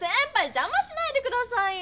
じゃましないでくださいよ！